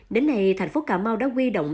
đến nay thành phố cà mau đã quy động